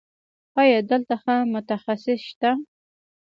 ایا دلته ښه متخصص شته؟